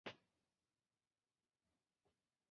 通常放疗也是疗程的一部分。